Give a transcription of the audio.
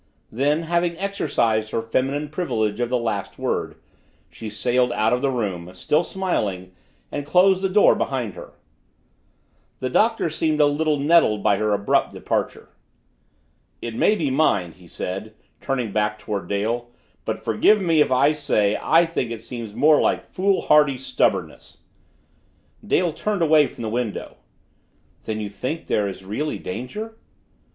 Then, having exercised her feminine privilege of the last word, she sailed out of the room, still smiling, and closed the door behind her. The Doctor seemed a little nettled by her abrupt departure. "It may be mind," he said, turning back toward Dale, "but forgive me if I say I think it seems more like foolhardy stubbornness!" Dale turned away from the window. "Then you think there is really danger?"